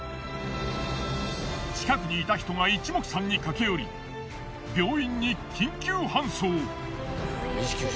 近くにいた人が一目散に駆け寄り病院に緊急搬送。